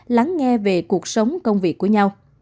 lắng nghe về cuộc sống công việc của nhau